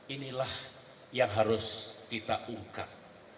inilah yang harus kita ungkap